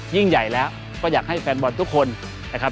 ยิ่งใหญ่แล้วก็อยากให้แฟนบอลทุกคนนะครับ